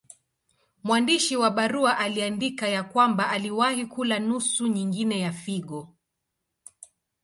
Mwandishi wa barua aliandika ya kwamba aliwahi kula nusu nyingine ya figo.